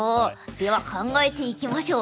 では考えていきましょう。